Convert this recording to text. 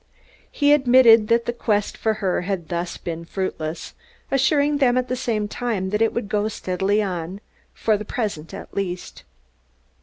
He admitted that the quest for her had thus far been fruitless, assuring them at the same time that it would go steadily on, for the present at least.